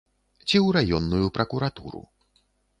Ці ў раённую пракуратуру.